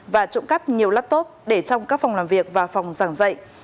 và trộm cắp nhiều laptop để trong các phòng làm việc và phòng giảng dạy